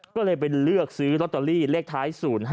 ก็เลยไปเลือกซื้อลอตเตอรี่เลขท้าย๐๕